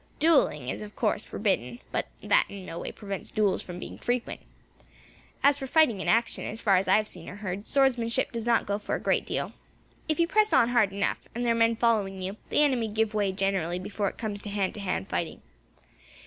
Duelling is, of course, forbidden, but that in no way prevents duels from being frequent. As for fighting in action, as far as I have seen or heard, swordsmanship does not go for a great deal. If you press on hard enough, and there are men following you, the enemy give way, generally, before it comes to hand to hand fighting.